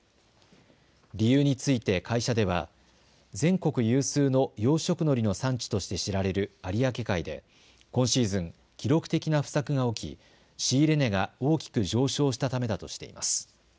理由について会社では全国有数の養殖のりの産地として知られる有明海で、今シーズン記録的な不作が起き仕入れ値が大きく上昇したためだとしています。